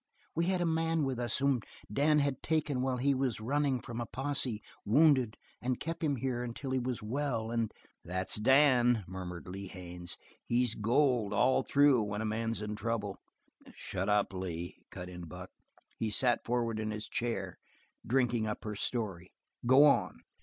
We had a man with us whom Dan had taken while he was running from a posse, wounded, and kept him here until he was well, and " "That's Dan," murmured Lee Haines. "He's gold all through when a man's in trouble." "Shut up, Lee," cut in Buck. He sat forward in his chair, drinking up her story. "Go on."